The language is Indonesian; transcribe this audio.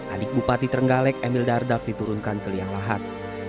adik bupati trenggalek emil dardak diturunkan ke liang lahat